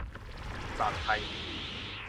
ปลอดภัย